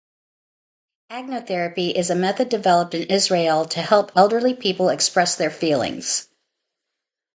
Agnotherapy is a method developed in Israel to help elderly people express their feelings.